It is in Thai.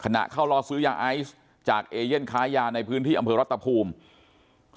ขณะเข้ารอซื้อยาไอซ์จากเอเย่นค้ายาในพื้นที่อำเภอรัตภูมิ